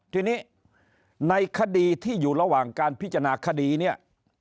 ทีนี้ในคดีที่อยู่ระหว่างการพิจารณาคดีเนี่ย